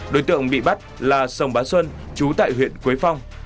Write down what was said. đối tượng bị bắt là sông bá xuân chú tại huyện quế phong